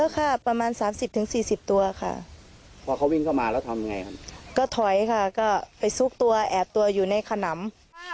ก็ถอยค่ะก็ไปซุกตัวแอบตัวอยู่ในขนำ